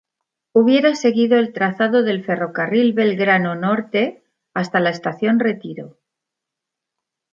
Hubiera seguido el trazado del Ferrocarril Belgrano Norte hasta la Estación Retiro.